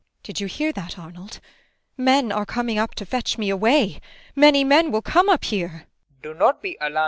] Did you hear that, Arnold? men are coming up to fetch me away! Many men will come up here PROFESSOR RUBEK. Do not be alarmed, Irene!